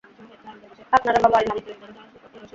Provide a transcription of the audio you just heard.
আপনারা বাবার নাম!